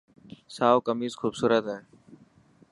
سائو ڪميز خوبصورت هي.